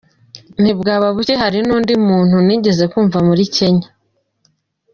ntibwaba buke. Hari n’undi muntu nigeze kumva muri Kenya